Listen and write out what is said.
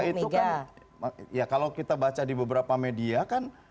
itu kan ya kalau kita baca di beberapa media kan